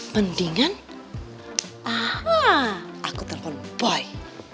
mendingan aku telepon boy